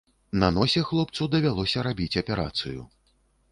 На носе хлопцу давялося рабіць аперацыю.